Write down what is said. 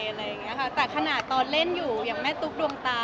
แต่ขนาดที่เรากำลังเล่นอยู่ได้เกียรตุกดวงตา